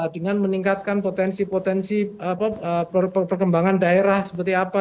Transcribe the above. dengan meningkatkan potensi potensi perkembangan daerah seperti apa